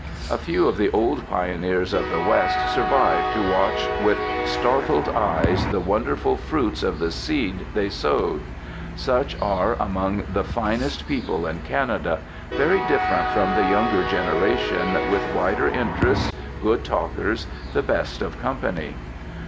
A few of the old pioneers of the West survive to watch with startled eyes the wonderful fruits of the seed they sowed. Such are among the finest people in Canada, very different from the younger generation, with wider interests, good talkers, the best of company.